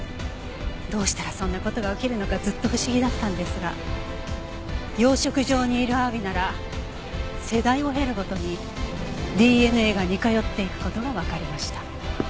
どうしたらそんな事が起きるのかずっと不思議だったんですが養殖場にいるアワビなら世代を経るごとにＤＮＡが似通っていく事がわかりました。